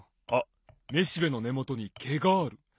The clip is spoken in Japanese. あっめしべのねもとにけがある。